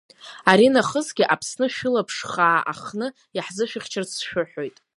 Аринахысгьы Аԥсны шәылаԥш хаа ахны иаҳзышәыхьчарц сшәыҳәоит.